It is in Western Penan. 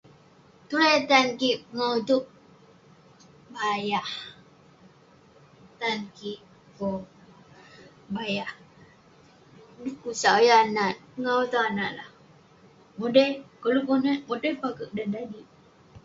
Tulan eh tan kik pengawu itouk, bayah. Tan kik- owk bayah. Sau yeng akouk nat. Pengawu itouk akouk nat eh lah, modai. Koluk akouk nat, modai peh akouk dan danik.